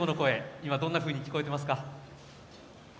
今どんなふうに聞こえていますか。